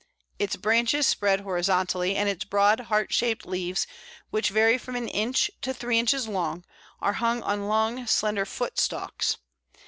Its branches spread horizontally, and its broad heart shaped leaves, which vary from an inch to three inches long, are hung on long slender foot stalks.